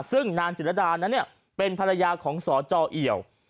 ซึ่งนางจิตรดานั้นเป็นภรรยาของสจเอี่ยว